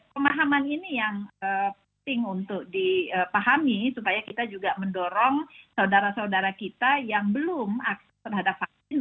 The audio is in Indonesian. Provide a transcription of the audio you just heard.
pemahaman ini yang penting untuk dipahami supaya kita juga mendorong saudara saudara kita yang belum akses terhadap vaksin